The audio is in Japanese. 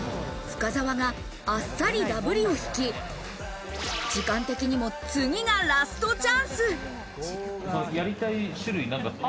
深澤があっさりダブりを引き、時間的にも次がラストチャンス。